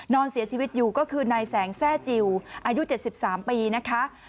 นอนเสียชีวิตอยู่ก็คือนายแสงแทร่จิลอายุ๗๓ปีนะคะ